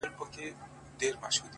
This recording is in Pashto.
چا زر رنگونه پر جهان وپاشل چيري ولاړئ!!